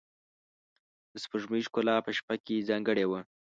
د سپوږمۍ ښکلا په شپه کې ځانګړې وه.